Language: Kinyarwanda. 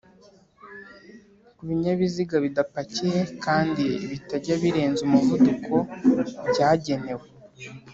ku binyabiziga bidapakiye kandi bitajya birenza umuvuduko byagenewe